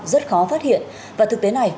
rất khó phát hiện và thực tế này